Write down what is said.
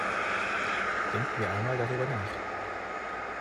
Denken wir einmal darüber nach.